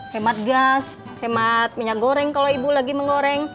hemat gas hemat minyak goreng kalau ibu lagi mengoreng